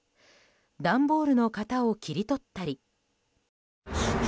段ボールの型を切り取ったり。